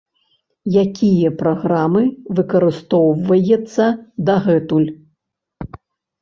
Якія праграмы выкарыстоўваецца дагэтуль?